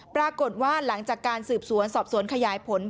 ปรากฏว่าหลังจากการสืบสวนสอบสวนขยายผล